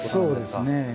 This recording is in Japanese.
そうですね。